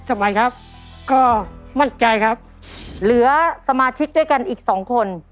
สบายครับก็มั่นใจครับเหลือสมาชิกด้วยกันอีกสองคน